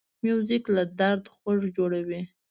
موزیک له درد خوږ جوړوي.